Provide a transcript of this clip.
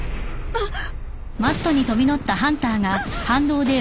あっ！